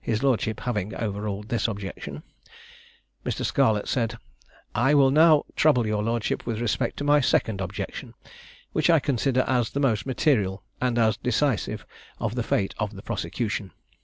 His lordship having overruled this objection, Mr. Scarlett said, I will now trouble your lordship with respect to my second objection, which I consider as the most material and as decisive of the fate of the prosecution.